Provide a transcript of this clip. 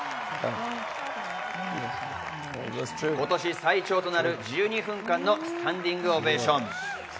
今年最長となる、１２分間のスタンディングオベーション。